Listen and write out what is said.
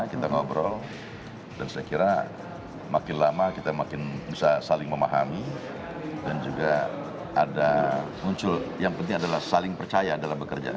kita ngobrol dan saya kira makin lama kita makin bisa saling memahami dan juga ada muncul yang penting adalah saling percaya dalam bekerja